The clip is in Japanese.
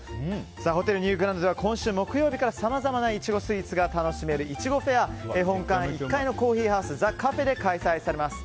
ホテルニューグランドでは今週木曜日からさまざまなイチゴスイーツが楽しめるいちごフェアが本館１階のコーヒーハウスザ・カフェで開催されます。